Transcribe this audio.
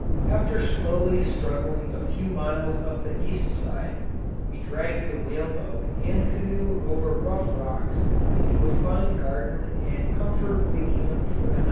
After slowly struggling a few miles up the east side, we dragged the whale boat and canoe over rough rocks into a fine garden and comfortably camped for the night.